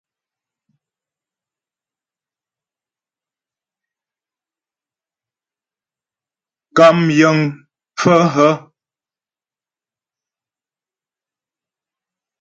Kàm yəŋ pfə́ hə́ ?